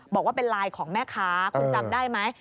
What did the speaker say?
บอกว่าเป็นไลน์ของแม่ค้าคุณจำได้ไหม